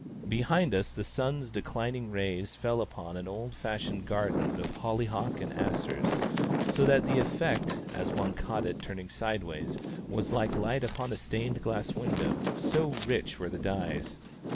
Behind us the sun's declining rays fell upon an old fashioned garden of holly hocks and asters, so that the effect, as one caught it turning sideways, was like light upon a stained glass window, so rich were the dyes.